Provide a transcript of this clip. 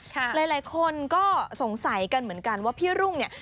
หลายคนก็สงสัยกันเหมือนกันว่าพี่รุ่งเนี่ย